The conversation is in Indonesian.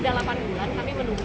sudah delapan bulan kami menunggu